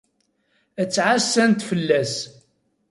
Ad ttɛassant fell-as.